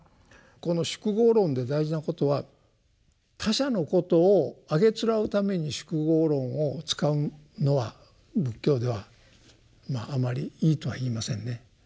この「宿業論」で大事なことは他者のことをあげつらうために「宿業論」を使うのは仏教ではあまりいいとは言いませんね。